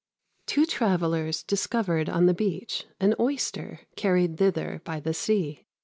Two travellers discovered on the beach An Oyster, carried thither by the sea.